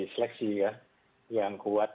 seleksi ya yang kuat